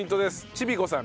ちびこさん